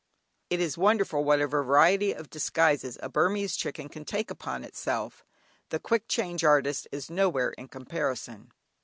It is wonderful what a variety of disguises a Burmese chicken can take upon itself. The quick change artist is nowhere in comparison.